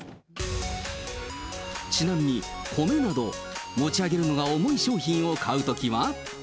ちなみに、米など持ち上げるのが重い商品を買うときは。